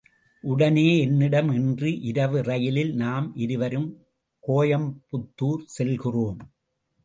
உடனே என்னிடம் இன்று இரவு ரயிலில் நாம் இருவரும் கோயம்புத்தூர் செல்கிறோம்.